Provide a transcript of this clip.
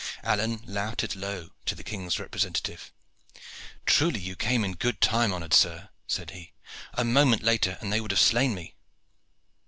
Alleyne louted low to the King's representative. "Truly you came in good time, honored sir," said he. "A moment later and they would have slain me."